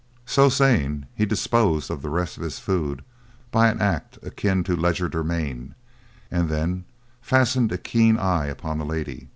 So saying, he disposed of the rest of his food by an act akin to legerdemain, and then fastened a keen eye upon the lady.